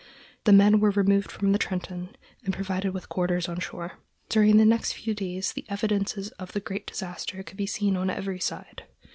The men were removed from the Trenton and provided with quarters on shore. During the next few days the evidences of the great disaster could be seen on every side.